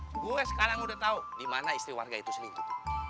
gue sekarang udah tau dimana istri warga itu sendiri